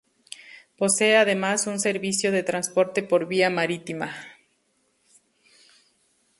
Posee además un servicio de transporte por vía marítima.